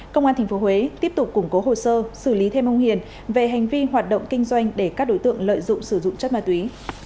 công an tp huế tiếp tục củng cố hồ sơ xử lý thêm ông hiền về hành vi hoạt động kinh doanh để các đối tượng lợi dụng sử dụng chất ma túy